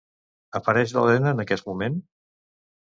Apareix l'Elena en aquest moment?